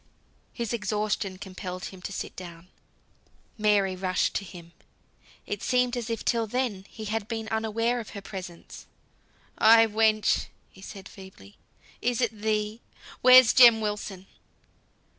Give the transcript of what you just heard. His exhaustion compelled him to sit down. Mary rushed to him. It seemed as if till then he had been unaware of her presence. "Ay, ay, wench!" said he feebly, "is it thee? Where's Jem Wilson?"